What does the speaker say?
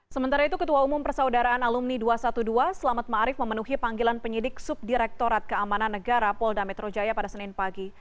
sementara itu ketua umum persaudaraan alumni dua ratus dua belas selamat ma'arif memenuhi panggilan penyidik subdirektorat keamanan negara polda metrojaya pada senin pagi